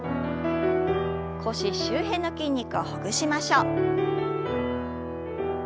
腰周辺の筋肉をほぐしましょう。